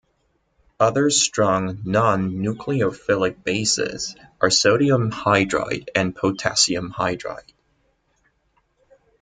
Other strong non-nucleophilic bases are sodium hydride and potassium hydride.